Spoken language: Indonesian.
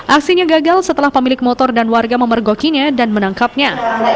aksinya gagal setelah pemilik motor dan warga memergokinya dan menangkapnya